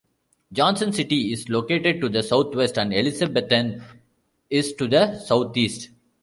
Johnson City is located to the southwest, and Elizabethton is to the southeast.